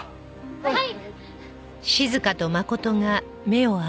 はい！